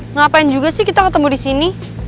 ngapain juga sih kita ketemu disini